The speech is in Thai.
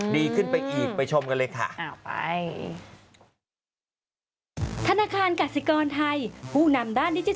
ดีขึ้นไปอีกไปชมกันเลยค่ะ